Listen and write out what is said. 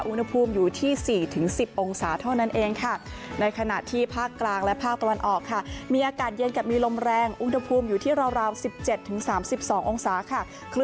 อุณหภูมิอยู่ที่๔๑๐องศาเท่านั้นเองค่ะในขณะที่ภาคกลางและภาคตะวันออกค่ะมีอากาศเย็นกับมีลมแรงอุณหภูมิอยู่ที่ราว๑๗๓๒องศาค่ะ